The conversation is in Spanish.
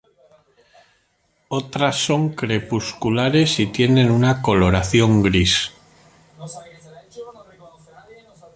Otras son crepusculares y tienen una coloración gris.